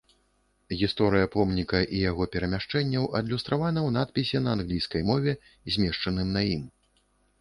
Гісторыя помніка і яго перамяшчэнняў адлюстравана ў надпісе на англійскай мове, змешчаным на ім.